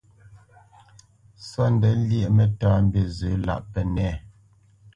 Sóndɛ lyéʼ mǝ́tāmbîzǝ lâʼ pǝnɛ̂.